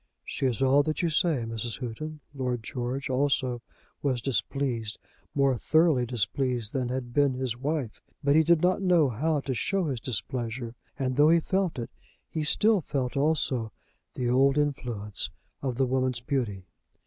"She is all that you say, Mrs. Houghton." Lord George also was displeased, more thoroughly displeased than had been his wife. But he did not know how to show his displeasure; and though he felt it, he still felt, also, the old influence of the woman's beauty.